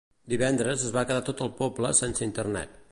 Divendres es va quedar tot el poble sense internet